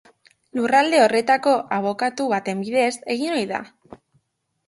Lurralde horretako abokatu baten bidez egin ohi da.